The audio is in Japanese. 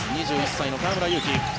２１歳の河村勇輝。